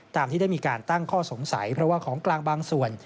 ตามที่ได้มีการตั้งข้อสงสัยเพราะว่าของกลางบางส่วน